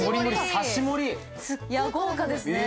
豪華ですね。